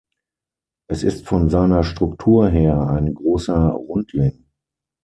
Es ist von seiner Struktur her ein großer Rundling.